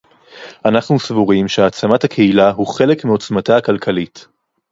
אנחנו סבורים שהעצמת הקהילה הוא חלק מעוצמתה הכלכלית